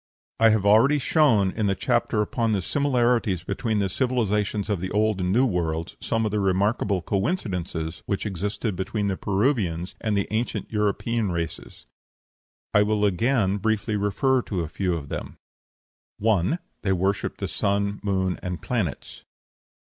I have already shown, in the chapter upon the similarities between the civilizations of the Old and New Worlds, some of the remarkable coincidences which existed between the Peruvians and the ancient European races; I will again briefly, refer to a few of them: 1. They worshipped the sun, moon, and planets.